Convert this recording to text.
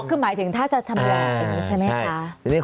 คือหมายถึงถ้าจะชำแหละอย่างนี้ใช่ไหมคะ